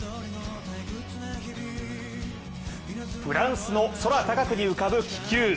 フランスの空高くに浮かぶ気球。